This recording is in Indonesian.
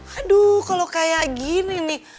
aduh kalau kayak gini nih